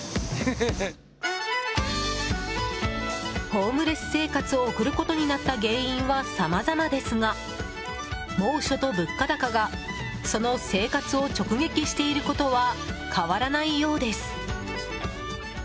ホームレス生活を送ることになった原因はさまざまですが猛暑と物価高がその生活を直撃していることは変わらないようです。